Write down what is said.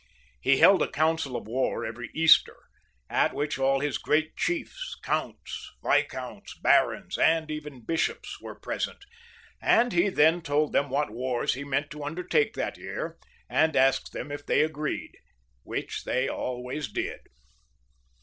He held a council of war every Easter, at which all his great chiefs, counts, viscounts, barons, and even bishops were present, and he then told them what wars he meant to undertake that year, and asked them if they agreed, which they always did.